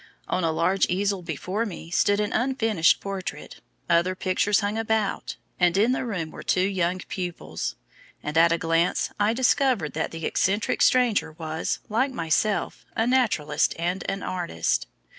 On a large easel before me stood an unfinished portrait, other pictures hung about, and in the room were two young pupils; and at a glance I discovered that the eccentric stranger was, like myself, a naturalist and an artist.